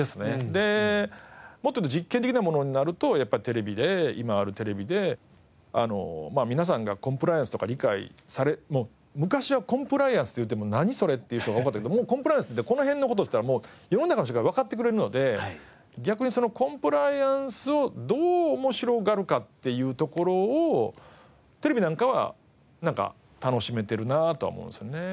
でもっと言うと実験的なものになるとやっぱりテレビで今あるテレビで皆さんがコンプライアンスとか理解されもう昔はコンプライアンスって言うても「何？それ」っていう人が多かったんやけどコンプライアンスって言ってこの辺の事って言ったらもう世の中の人がわかってくれるので逆にコンプライアンスをどう面白がるかっていうところをテレビなんかは楽しめてるなとは思うんですよね。